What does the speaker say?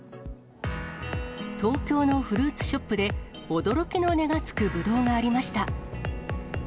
東京のフルーツショップで、驚きの値がつくぶどうがありました。